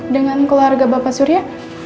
dengan keluarga bapak surya